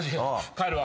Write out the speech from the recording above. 帰るわ。